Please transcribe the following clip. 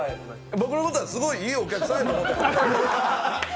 僕のことはすごいいいお客さんやと思ってる。